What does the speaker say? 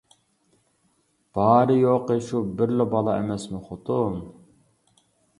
-بارى يوقى شۇ بىرلا بالا ئەمەسمۇ خوتۇن.